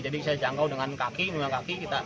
jadi saya jangkau dengan kaki dengan kaki